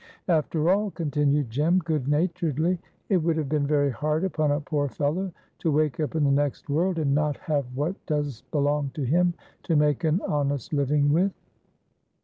"After all," continued Jem, good naturedly, "it would have been very hard upon a poor fellow to wake up in the next world and not have what does belong to him to make an honest living with."